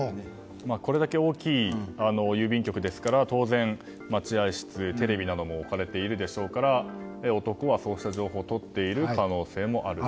これだけ大きい郵便局ですから当然、待合室、テレビなども置かれているでしょうから男はそうした情報をとっている可能性もあると。